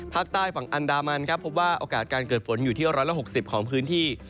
ภาคใต้ฝั่งอันดามันครับพบว่าโอกาสการเกิดฝนอยู่ที่๑๖๐ของพื้นที่